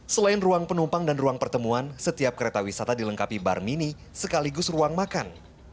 selain ruang penumpang dan ruang pertemuan setiap kereta wisata dilengkapi bar mini sekaligus ruang makan